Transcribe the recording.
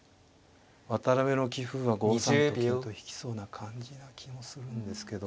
渡辺の棋風は５三と金と引きそうな感じな気もするんですけど。